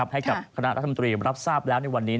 ให้กับคณะรัฐมนตรีรับทราบแล้วในวันนี้